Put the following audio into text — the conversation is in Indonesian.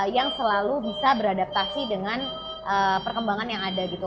yang selalu bisa beradaptasi dengan perkembangan yang ada gitu